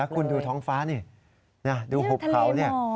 แล้วคุณดูท้องฟ้านี่ดูหกเพรา